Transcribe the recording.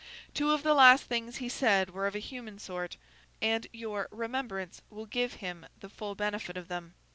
Two of the last things he said were of a human sort, and your remembrance will give him the full benefit of them.